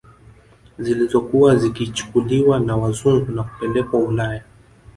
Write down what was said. Zilizokuwa zikichukuliwa na wazungu na kupelekwa Ulaya